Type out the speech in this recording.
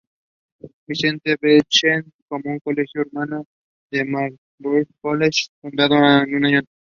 Vincent Beechey, como un colegio hermano del Marlborough College, fundado un año antes.